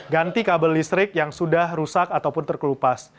ganti kabel listrik yang sudah rusak ataupun terkelupas